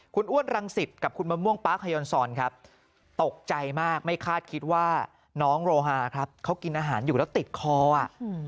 คุณอ้วนรังสิตกับคุณมะม่วงป๊าขยอนซอนครับตกใจมากไม่คาดคิดว่าน้องโรฮาครับเขากินอาหารอยู่แล้วติดคออ่ะ